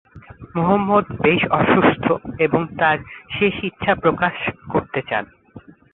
মুহম্মদ বেশ অসুস্থ এবং তার শেষ ইচ্ছা প্রকাশ করতে চান।